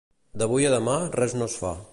D'avui a demà res no es fa.